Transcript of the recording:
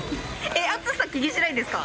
暑さ、気にしないんですか？